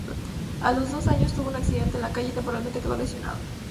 A los dos años, tuvo un accidente en la calle, y temporalmente quedó lesionada.